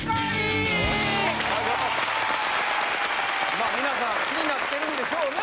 まあ皆さん気になってるんでしょうね。